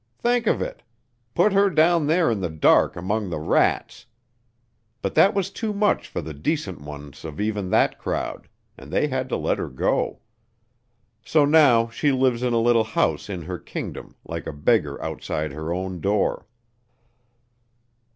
Think of it! Put her down there in the dark among the rats. But that was too much for the decent ones of even that crowd, and they had to let her go. So now she lives in a little house in her kingdom, like a beggar outside her own door."